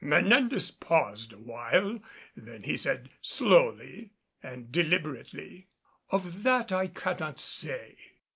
Menendez paused a while. Then he said, slowly and deliberately, "Of that I cannot say.